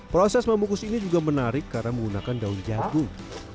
proses membungkus ini juga menarik karena menggunakan daun jagung